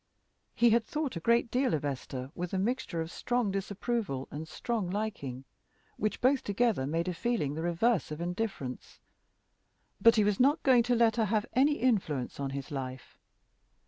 He had thought a great deal of Esther with a mixture of strong disapproval and strong liking, which both together made a feeling the reverse of indifference; but he was not going to let her have any influence on his life.